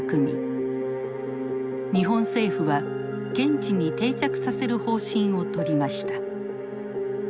日本政府は現地に定着させる方針をとりました。